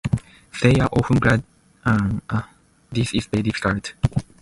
They are often guardians of hidden treasure and many are upholders of Dharma.